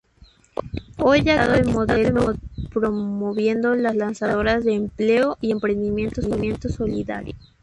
Hoy, ha actualizado el modelo promoviendo las Lanzaderas de Empleo y Emprendimiento Solidario.